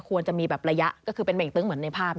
ควรจะมีแบบระยะก็คือเป็นเหม่งตึ้งเหมือนในภาพ